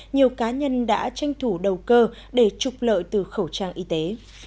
nhiều cá nhân đã tranh thủ đầu cơ để trục lợi từ khẩu trang y tế